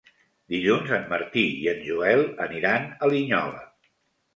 Dilluns en Martí i en Joel aniran a Linyola.